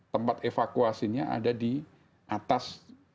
tempat evakuasinya ada di atas